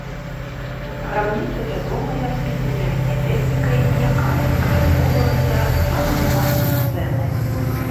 Грабніца вядомая спецыяльнай тэхнікай, якая выкарыстоўвалася для малявання сцэны.